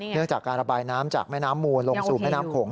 เรื่องจากการระบายน้ำจากแม่น้ำมูลลงสู่แม่น้ำโขง